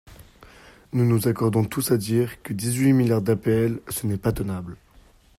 Nous nous accordons tous à dire que dix-huit milliards d’APL, ce n’est pas tenable.